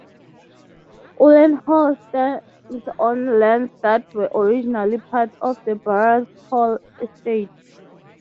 Ullenhall stands on lands that were originally part of the Barrells Hall estate.